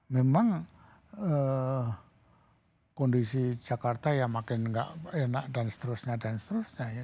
memang kondisi jakarta ya makin enak dan seterusnya